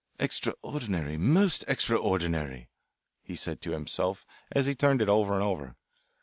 "Extraordinary, most extraordinary," he said to himself as he turned it over and over.